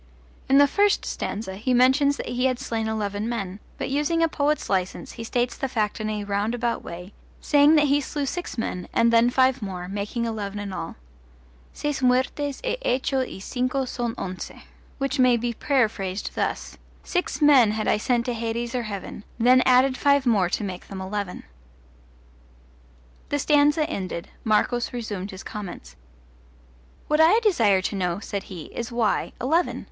In the first stanza he mentions that he had slain eleven men, but using a poet's license he states the fact in a roundabout way, saying that he slew six men, and then five more, making eleven in all: Seis muertes e hecho y cinco son once. which may be paraphrased thus: Six men had I sent to hades or heaven, Then added five more to make them eleven. The stanza ended, Marcos resumed his comments. What I desire to know, said he, is, why eleven?